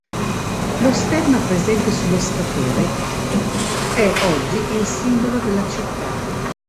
Lo stemma presente sullo statere è oggi il simbolo della città.